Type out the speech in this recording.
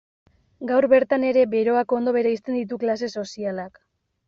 Gaur bertan ere beroak ondo bereizten ditu klase sozialak.